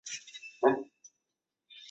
了解更多情况